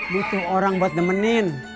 butuh orang buat nemenin